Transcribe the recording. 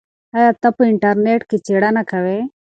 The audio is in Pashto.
آیا ته په انټرنیټ کې څېړنه کوې؟